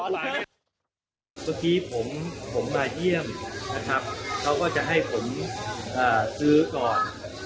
เมื่อกี้ผมมาเยี่ยมนะครับเขาก็จะให้ผมซื้อก่อน